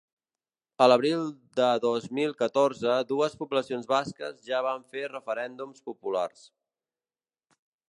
A l’abril de dos mil catorze dues poblacions basques ja van fer referèndums populars.